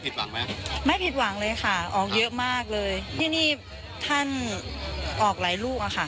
หวังไหมไม่ผิดหวังเลยค่ะออกเยอะมากเลยที่นี่ท่านออกหลายลูกอ่ะค่ะ